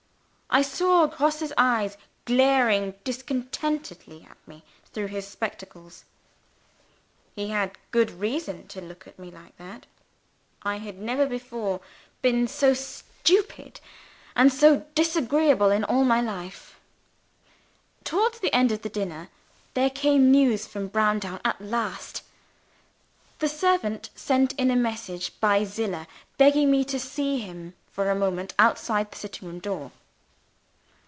I saw Grosse's eyes glaring discontentedly at me through his spectacles. He had good reason to look at me as he did I had never before been so stupid and so disagreeable in all my life. Towards the end of the dinner, there came news from Browndown at last. The servant sent in a message by Zillah, begging me to see him for a moment outside the sitting room door.